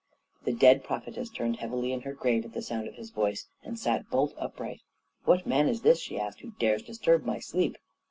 The dead prophetess turned heavily in her grave at the sound of his voice, and sat bolt upright. "What man is this," she asked, "who dares disturb my sleep?"